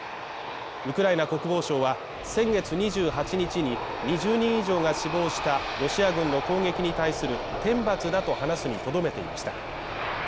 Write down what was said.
ウクライナ国防省は先月２８日に２０人以上が死亡したロシア軍の攻撃に対する天罰だと話すにとどめていました。